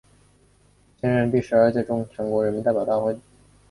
现任第十二届全国人民代表大会农业与农村委员会副主任委员。